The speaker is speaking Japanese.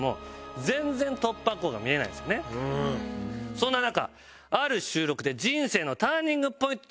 そんな中。